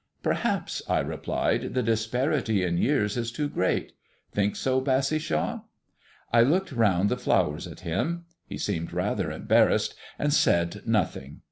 "Perhaps," I replied, "the disparity in years is too great. Think so, Bassishaw?" I looked round the flowers at him. He seemed rather embarrassed, and said nothing.